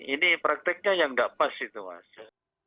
ini prakteknya yang tidak pas situasi